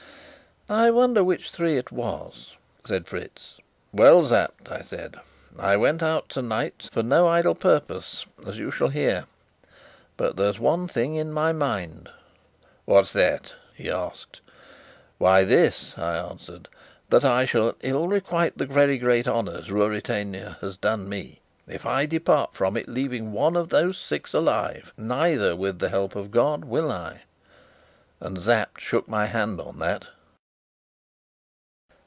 "I wonder which three it was," said Fritz. "Well, Sapt," I said, "I went out tonight for no idle purpose, as you shall hear. But there's one thing in my mind." "What's that?" he asked. "Why this," I answered. "That I shall ill requite the very great honours Ruritania has done me if I depart from it leaving one of those Six alive neither with the help of God, will I." And Sapt shook my hand on that.